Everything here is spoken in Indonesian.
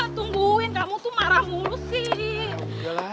tungguin kamu tuh marah mulu sih